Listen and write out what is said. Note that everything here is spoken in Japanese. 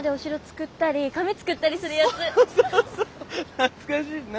懐かしいな。